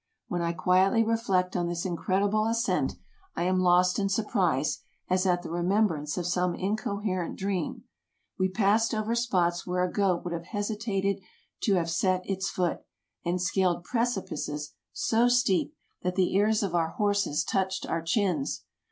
When I quietly reflect on this incredible ascent, I am lost in surprise, as at the remembrance of some incoherent dream. We passed over spots where a goat would have hesitated to have set its foot, and scaled precipices so steep 190 TRAVELERS AND EXPLORERS that the ears of our horses touched our chins.